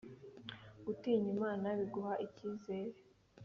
gutinya Imana biguha icyizere